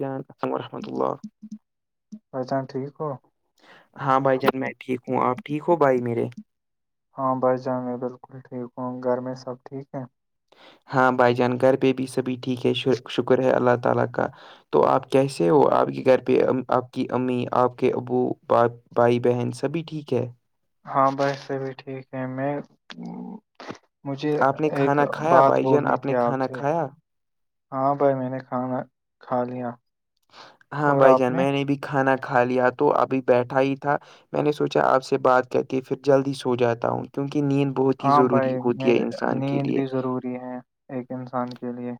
جم و رحمۃ اللہ بھائی جان ٹھیک ہو ہاں بھائی جان میں ٹھیک ہوں آپ ٹھیک ہو بھائی میرے ہاں بس جامعہ بالکل ٹھیک ہوں گھر میں سب ٹھیک ہے ہاں بھائی جان گھر پہ بھی سبھی ٹھیک ہے شکر ہے اللہ تعالی کا تو آپ کیسے ہو آپ کے گھر پہ آپ کی امی آپ کے ابو باپ بھائی بہن سبھی ٹھیک ہے ہاں بسےب بھی ٹھیک ہے میں مجھے آپ نے ایک کھانا کھایا بات بھائی جان بولنی تھی نے آپ کھانا سے کھایا ہاں بھائی میں نے کھانا کھا لیا ہاں اور بھائی آپ جان میں نے بھی کھانا کھا لیا تو ابھی بیٹھا ہی تھا میں نے سوچا آپ سے بات کر کے پھر جلدی سو جاتا ہوں کیونک نیند بہت ہی ہاں ضروری ہوتی ہے انسان کے لیے ہیں ایک انسان کے لیے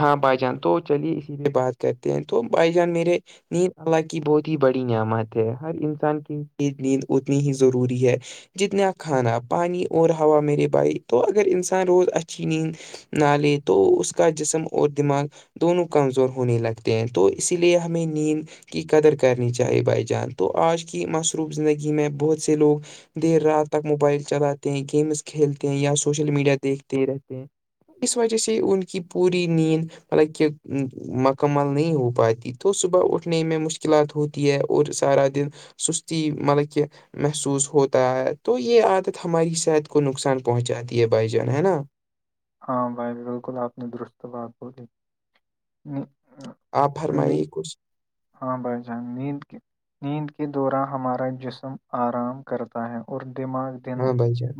ہاں بھائی جان تو چلیے اسی لیے بات کرتے ہیں تو بھائی جان میرے نیند اللہ کی بہت ہی بڑی نعمت ہے ہر انسان کے لی نیند اتنی ہی ضروری ہے جتنا کھانا پانی اور ہوا میرے بائی تو اگر انسان روز اچھی ند نہ لیے تو اس کا جسم اور دماغ دونوں کمزور ہونے لگتے ہیں تو اسی لیے ہمیں نیند کی قدر کرنی چاہے بائی جان تو آج کی مصروف زندگی میں بہت سے لوگ دیر رات تک موبائل چلاتے ہیں گیمس کھیلتے ہیں یا سوشل میڈیا دیکھتے رہتے ہیں اس وجہ سے ان کی پوری نیند مطلب کہ مکمل نہیں ہو پاتی تو صبح اٹھنے میں مشکلات ہوتی ہے اور سارا دن سستی مطلب کہ محسوس ہوتا ہے تو یہ عادت ہماری صحت کو نقصان پہنچاتی ہے بھائی جان ہے نا ہاں بھائی بالکل آپ نے درست بات بولی آپ فرمائیے کچھ ہاں بھائی جان نیند کے نیند کے دوران ہمارا جسم آرام کرتا ہے اور دماغ ہاں بھائی جان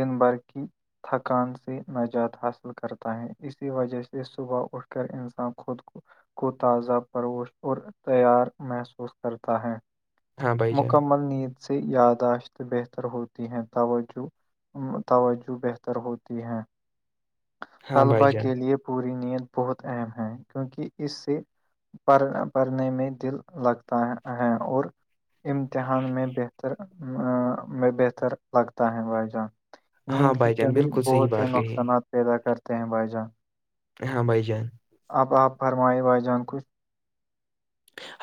دن بھرقی تھکان سے نجات حاصل کرتا ہے اسی وجہ سے صبح اٹھ کر انسان خود کو کو تازہ فروش اور تیار محسوس کرتا ہے ہاں بھائی جان مکمل نیند سے یاداشت بہتر ہوتی ہیں توجہ توجہ بہتر ہو ہیں ہاں بھائی طلبا جان کے لیئے پوری نیند بہت اہم ہیں کیونکہ اس سے پڑ پڑھنے میں دل لگتا ہے اور امتحان میں بہتر میں بہتر لگتا ہے واجان ہاں نیند کی بھائی جان کمی بالکل صحیح بہت سے بات کہی نقصانات پیدا کرتے ہیں بھائی جان احم بائی جان آپ آپ فرمائے بھائی جان کچھ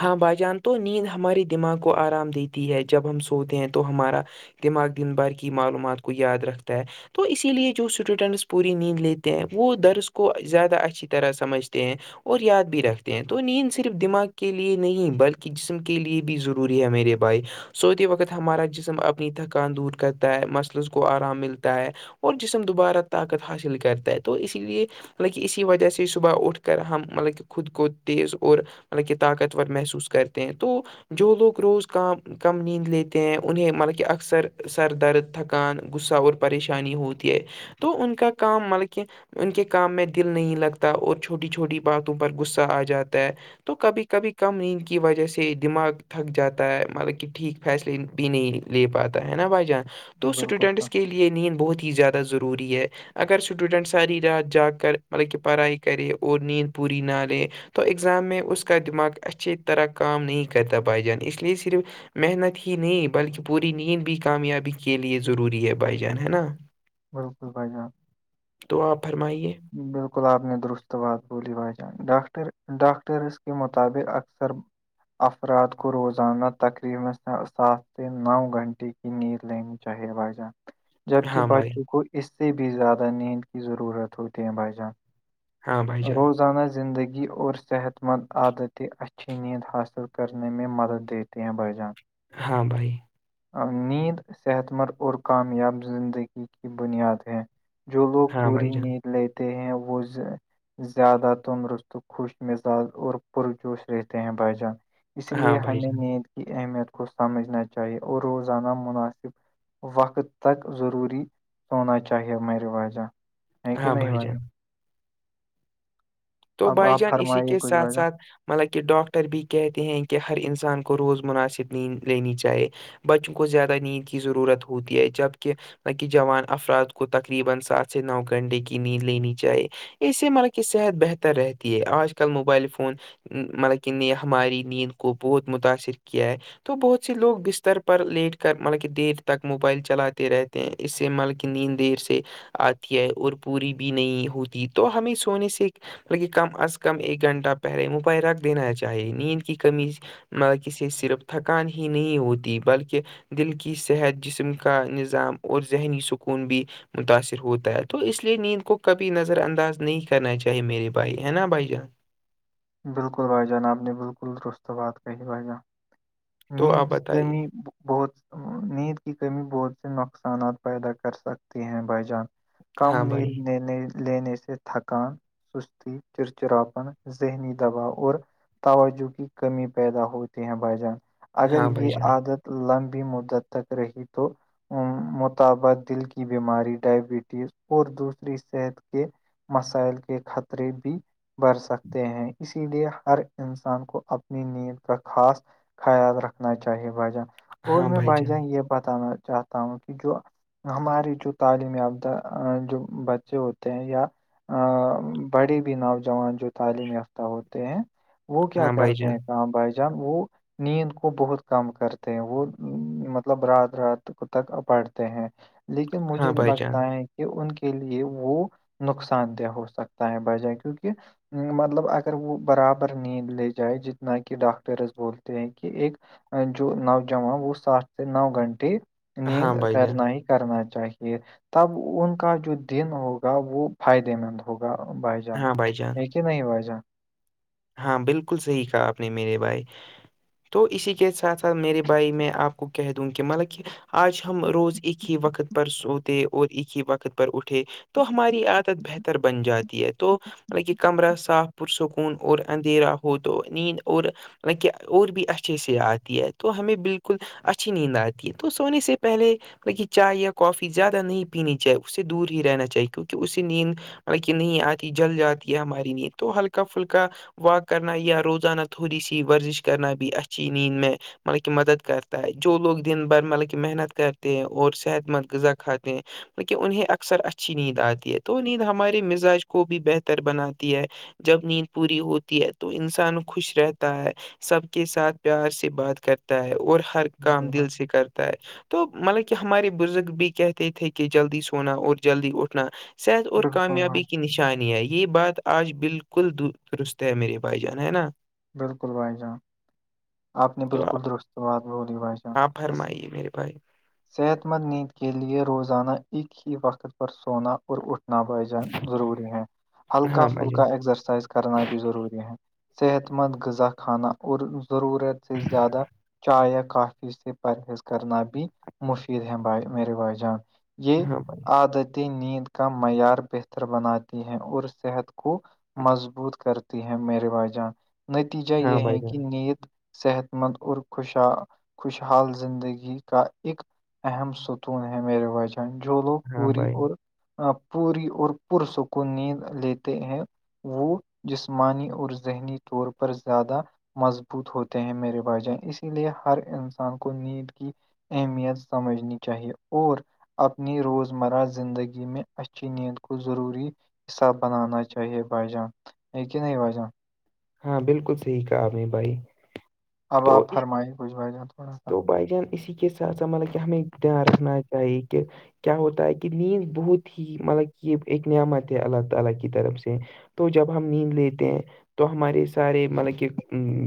ہاں بائی جان تو نیند ہمارے دماغ کو آرام دیتی ہے جب ہم سوتے ہیں تو ہمارا دماغ دن بھرقی معلومات کو یاد رکھتا ہے تو اسی لیے جو اسٹوڈنٹس پوری نیند لیتے ہیں وہ درس کو زیادہ اچھی طرح سمجھتے ہیں اور یاد بھی رکھتے ہیں تو نیند صرف دماغ کے لیے نہیں بلکہ جسم کے لیے بھی ضروری ہے میرے بھائی سوتے وقت ہمارا جسم اپنی تھکان دور کرتا ہے مسلس کو آرام ملتا ہے اور جسم دوبارہ طاقت حاصل کرتا ہے تو اسی لیے مطلب کہ اسی وجہ سے صبح اٹھ کر ہم مطلب کہ خود کو تیز اور مطلب کہ طاقتور محسوس کرتے ہیں تو جو لوگ روز کا کم نیند لیتے ہیں انہیں مطلب کہ اکثر سر درد تھکان غصہ اور پریشانی ہوتی ہے تو ان کا کام ملک ان کے کام میں دل نہیں لگتا اور چھوٹی چھوٹی باتوں پر غصہ آ جاتا ہے تو کبھی کبھی کم نیند کی وجہ سے دماغ تھک جاتا ہے مطلب کہ ٹھیک فیصلے بھی نہیں لے پاتا ہے نا بھائی جان تو بالکل اسٹوڈینٹس صاحب کے لیے نیند بہت ہی زیادہ ضروری ہے اگر سٹوڈنٹ ساری رات جاگ کر مطلب کہ پڑائی کرے اور نیند پوری نالے تو ایگزام میں اس کا دماغ اچھی طرح کام نہیں کرتا پھائی جان اس لیے صرف محنت ہی نہیں بلکہ پوری نیند بھی کامیابی کے لیے ضروری ہے بھائی جان ہے نا ہ بالکل بھائی جان تو آپ فرمائیے بالکل آپ نے درست بات بولی بھائی جان ڈاکٹر ڈاکٹرس کے مطابق اکثر افراد کو روزانہ تقریبا سات سے نو گھنٹے کی نیند لینی چاہیے بائی جان جبکہ ہاں بھائی بچوں کو اس سے بھی زیادہ نیند کی ضرورت ہوتی ہے بھائی جان ہاں بھائی جان روزانہ زندگی اور صحت مند عادتی اچھی نیند حاصل کرنے میں مدد دیتے ہیں بائی جان ہاں بھائی نیند صحت مند اور کامیاب زندگی کی بنیاد ہے جو لوگ ہاں بھائی پوری جان نیند لیتے ہیں وہ زیادہ تندرست خوش مزاج اور پرجوش رہتے ہیں بھائی جان اس ہاں لیے بھائی ہمیں جان نیند کی اہمیت کو سمجھنا چاہیے اور روزانہ مناسب وقت تک ضروری ہونا چاہیے میںیں رواجہ ہاں بھائی جان تو اب بھائی آپ جان اسی فرمائیے کے کچھ ساتھ بھائی جان ساتھ مطلب کہ ڈاکٹر بھی کہتے ہیں کہ ہر انسان کو روز مناسب نہیں لینی چاہیے بچوں کو زیادہ نیند کی ضرورت ہوتی ہے جبکہ نہ کہ جوان افراد کو تقریبا سات سے نو گھنٹے کی نیند لینی چاہی اس سے مطلب کہ صحت بہتر رہتی ہے آج کل موبائل فون مطلب کہ نے ہماری نیند کو بہت متاثر کیا ہے تو بہت سے لوگ بستر پر لیٹ کر مطلب کہ دیر تک موبائل چلاتے رہتے ہیں اس سے مالل کی نین دیر سے آتی ہے اور پوری بھی نہیں ہوتی تو ہمیں سونے سے لن کم از کم ایک گھنٹہ پہلے مبائی رکھ دینا چاہیے نیند کی کمی کسی صرف تھکان ہی نہیں ہوتی بلکہ دل کی صحت جسم کا نظام اور ذہنی سکون بھی متاثر ہوتا ہے تو اس لیے نیند کو کبھی نظر انداز نہیں کرنا چاہیے کہی میری بائی ہے نا بھائی جان بالکل بھائی جان آپ نے بالکل درست بات کہی بھائی جان تو آپ نیند بتائیے کمی بہت نیند کی کمی بہت سے نقصانات پیدا کر سکتے ہیں بھائی جان کم ہاں بھائی نیل لینے سے تھکان سستی چرچراپن ذہنی دباؤ اور توجہ کی کمی پیدا ہوتی ہیں بھائی جان اگر ہاں بھائی یہ جان عادت لمبی مدت تک رہی تو مطبہ دل کی بیماری ڈائبٹیز اور دوسری صحت کے مسائل کے خطرے بھی بڑھ سکتے ہیں اسی لیے ہر انسان کو اپنی نیند کا خاص خیال رکھنا چاہیے بھائی جان اور میں بھائی جان یہ بتانا چاہتا ہوں کہ جو ہماری جو تعلیم یافتہ جو بچے ہوتے ہیں یا بڑے بھی نوجوان جو تعلیم یافتہ ہوتے ہیں وہ کیا ہاں بھائی کرتے جان ہیں کہاں بھائی جان وہ نیند کو بہت کم کرتے ہیں وہ مطلب رات رات تک پڑھتے ہیں لیکن ہاں مجھے بھائی جان لگتا ہے کہ ان کے لیے وہ نقصان دہ ہو سکتا ہے بجائے کیونکہ مطلب اگر وہ برابر نیند لے جائے جتنا کہ ڈاکٹرز بولتے ہیں کہ ایک جو نوجوان وہ سات سے نو گھنٹے ہاں نیند بھائی جان کرنا ہی کرنا چاہیے تب ان کا جو دن ہوگا وہ فائدے مند ہوگا بھائی جان ہاں بائی چانس ہے کہ نہیں بشا ہاں بالکل صحیح کہا آپ نے میرے بھائی تو اسی کے ساتھ ساتھ میرے بھائی میں آپ کو کہہ دوں کہ مطلب کہ آج ہم روز ایک ہی وقت پر سوتے اور ایک ہی وقت پر اٹھے تو ہماری عادت بہتر بن جاتی ہے تو مطلب کہ کمرہ صاف پرسکون اور اندھیرا ہو تو نیند اور کہ اور بھی اچھے سے آتی ہے تو ہمیں بالکل اچھی نیند آتی ہے تو سونے سے پہلے لہ چائے یا کافی زیادہ نہیں پیننی چاہیے اسے دور ہی رہنا چاہیے کیونکہ اسے نیند لڑک نہیں آتی جل جاتی ہے ہمارے لیے تو ہلکا فلکا واک کرنا یا روزانہ تھوڑی سی ورزش کرنا بھی اچھی نیند میں مطلب کہ مدد کرتا ہے جو لوگ دن بھر مطلب کہ محنت کرتے ہیں اور صحت مند غذا کھاتے ہیں ک انہیں اکثر اچھی نیند آتی ہے تو وہ نیند ہمارے مزاج کو بھی بہتر بناتی ہے جب نیند پوری ہوتی تو انسان خوش رہتا ہے سب کے ساتھ پیار سے بات کرتا ہے اور ہر کام بالکل بھائی دل سے کر تو مطلب کہ ہمارے بزرگ بھی کہتے تھے کہ جلدی سونا اور جلدی اٹھنا صحت اور بالکل بھائی کامیابی کی نشانیاں یہ بات آج بالکل د درست میرے بھائی جان ہے نا بالکل بھائی جان آپ نے بالکل درست بات بولی بھائیشاہان آپ س فرمائیے میرے بھائی صحت مند نیند کے لیے روزانہ ایک ہی وقت پر سونا اٹھنا بائیجان ضروری ہے ہلکا ہاں بھائی فھلکا جان ایکسرسائز کرنا بھی ضروری ہے صحت مند غذا کھانا اور ضرورت سے زیادہ چائے یا کافی سے پرہیز کرنا بھی مفید ہیں بائے میرے بھائی جان یہ ہاں بھائی عادتی نیند کا معیار بہتر بناتی ہے اور صحت کو مضبوط کرتی ہے میریرے بھائی جان نتیجہ یہ ہاں بھائی ہے کہ جان نید صحت مند اور خوش خوشحال زندگی کا ایک اہم ستون ہے میرے وچن جو لوگ ہاں پوری بھائی اور پوری اور پسوں کو نیند لیتے ہیں وہ جسمانی اور ذہنی طور پر پر زیادہ مضبوط ہوتے ہیں میرے بھائی جان اسی لیے ہر انسان کو نیند کی اہمیت سمجھنی چاہیے اور اپنی روزمرہ زندگی میں اچھی نیند کو ضروری حساب بنانا چاہیے بجان ہے کہ نہیں بجان ہاں بالکل صحیح کہا اب نے بھائی اب تو آپ اس فرمائیے کچھ بھائی جان تھوڑا سا تو بھائی جان اسی کے ساتھ ھا مطلب کہ ہمیں دھیان رکھنا چاہیے کہ کیا ہوتا ہے کہ نیند بہت ہی مطلب کہ یہ ایک نعمت ہے اللہ تعالی کی طرف سے تو جب ہم نیند لیتے ہیں تو ہمارے سارے مطلب کہ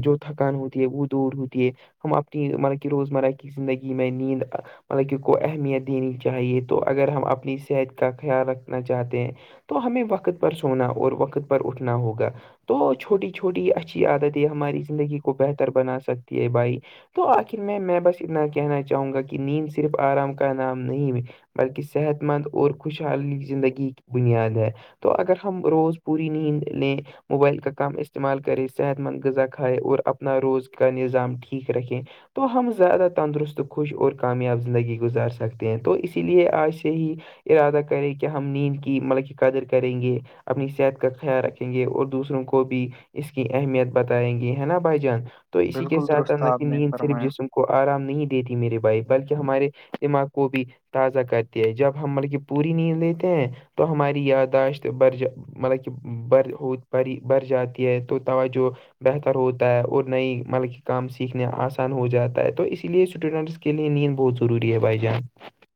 جو تھکان ہوتی ہے وہ دور ہوتی ہے ہم اپنی مطلب کہ روزمرہ کی زندگی میں نیند مطلب کہ کو اہمیت دینی چاہیے تو اگر ہم اپنی صحت کا خیال رکھنا چاہتے ہیں تو ہمیں وقت پر سونا اور وقت پر اٹھنا ہوگا تو چھوٹی چھوٹی اچھی عادتیں ہماری زندگی کو بہتر بنا سکتی ہے بھائی تو آخر میں میں بس اتنا کہنا چاہوں گا کہ نیند صرف آرام کا نام نہیں بلکہ صحت مند اور خوشحالی زندگی کی بنیاد ہے تو اگر ہم روز پوری نیند لیں موبائل کا کام استعمال کرے صحت مند غذا کھائے اور اپنا روز کا نظام ٹھیک رکھے تو ہم زیادہ تندرست خوش اور کامیاب زندگی گزار سکتے ہیں تو اسی لیے آج سے ہی ارادہ کریں کہ ہم نیند کی ملب کی قدر کریں گے اپنی صحت کا خیال رکھیں گے اور دوسروں کو بھی اس کی اہمیت بتائیں گے ہے نا بھائی جان تو اسی کے بالکل ساتھ درست الاللہ آپ کی نے نیند صرف فرمایا جسم کو آرام نہیں دیتی میرے بھائی بلکہ ہمارے دماغ کو بھی تازہ کرتی ہے جب ہم ملک پوری نیند دیتے ہیں تو ہماری یادداشت بر مطلب کہ بر ہو ب بر جاتی ہے تو توجہ بہتر ہوتا ہے اور نئی مطلب کہ کام سیکھنے آسان ہو جاتا ہے تو اسی لیے اسٹوڈنٹس کے لیے نیند بہت ضروری ہے بھائی جان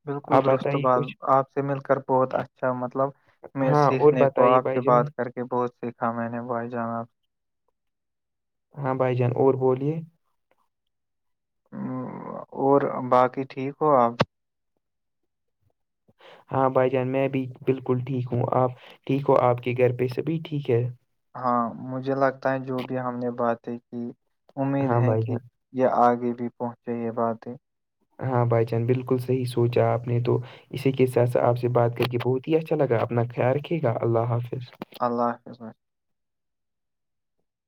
بالکل آپ درست بتائیے بض کچھ آپ سے مل کر بہت اچھا مطلب میں ہاں اور سیکھنے کو بتائیے آپ سے بھائی جان بات کر کے بہت سیکھا میں نے بھائی جان آ سے ہاں بھائی جان اور بولیے اور باقی ٹھیک ہو آپ ہاں بھائی جان میں بھی بالکل ٹھیک ہوں آپ ٹھیک ہو آپ کے گھر پہ سبھی ٹھیک ہے ہاں مجھے لگتا ہے جو بھی ہم نے باتیں کی امید ہاں ہے بھائی جان کہ یا آگے بھی پہنچے یہ بات ہے ہاں بھائی چان بالکل صحیح سوچا آپ نے تو اسی کے س آپ سے بات کر کے بہت ہی اچھا لگا اپنا خیال رکھے گا اللہ حافظ اللہ حفظ بھای